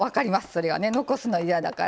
それはね残すの嫌だから。